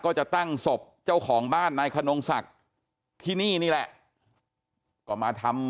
ก็จะตั้งศพเจ้าของบ้านนายขนงศักดิ์ที่นี่นี่แหละก็มาทำ